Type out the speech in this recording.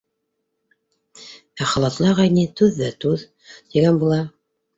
Ә халатлы ағай ни, түҙ ҙә, түҙ, тигән була.